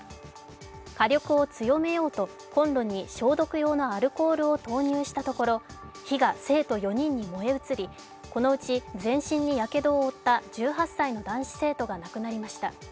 火力を強めようと、コンロに消毒用のアルコールを投入したところ火が生徒４人に燃え移り、このうち全身にやけどを負った１８歳の男子生徒が亡くなりました。